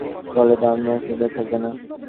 ফলে দাম নিয়ে অনিশ্চয়তা থাকবে না।